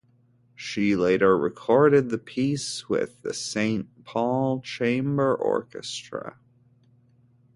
She later recorded the piece with the Saint Paul Chamber Orchestra.